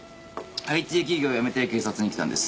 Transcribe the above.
ＩＴ企業辞めて警察に来たんです。